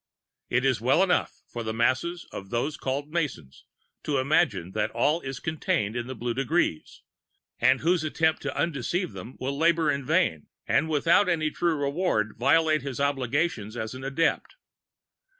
It is well enough for the mass of those called Masons, to imagine that all is contained in the Blue Degrees; and whose attempts to undeceive them will labor in vain, and without any true reward violate his obligations as an Adept.